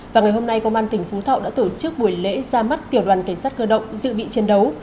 và ngày hôm nay công an tỉnh phú thọ đã tổ chức buổi lễ ra mắt tiểu đoàn cảnh sát cơ động dự bị chiến đấu